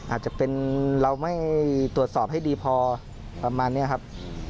อาจจะเป็นเราไม่ตรวจสอบให้ดีพอประมาณนี้ครับ